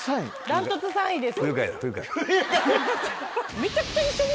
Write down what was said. ダントツ３位です。